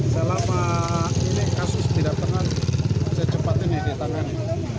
selama ini kasus tidak tenang secepat ini ditangani